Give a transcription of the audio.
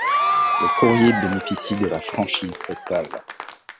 Le courrier bénéficie de la franchise postale.